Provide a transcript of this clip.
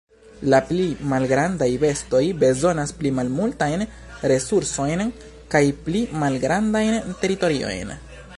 La pli malgrandaj bestoj bezonas pli malmultajn resursojn kaj pli malgrandajn teritoriojn.